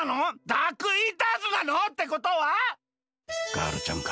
ダークイーターズなの？ってことはガールちゃんか。